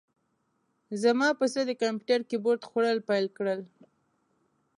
زما پسه د کمپیوتر کیبورډ خوړل پیل کړل.